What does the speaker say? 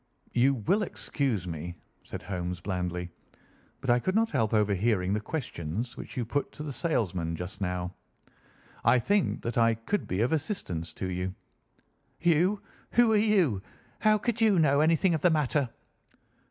"You will excuse me," said Holmes blandly, "but I could not help overhearing the questions which you put to the salesman just now. I think that I could be of assistance to you." "You? Who are you? How could you know anything of the matter?"